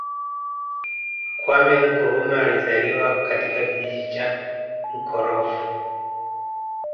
Kwame Nkrumah alizaliwa katika kijiji cha Nkroful